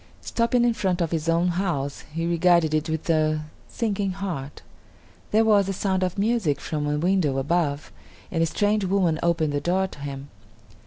Stopping in front of his own house, he regarded it with a sinking heart. There was the sound of music from a window above, and a strange woman opened the door to him.